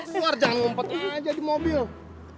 jangan ngompet aja di mobil